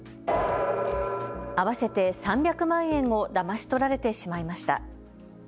合わせて３００万円をだまし取られてしまいました。